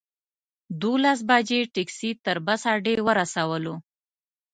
دولس بجې ټکسي تر بس اډې ورسولو.